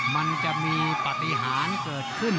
มันจะมีปฏิหารเกิดขึ้น